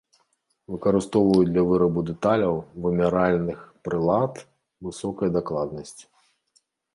Выкарыстоўваюць для вырабу дэталяў вымяральных прылад высокай дакладнасці.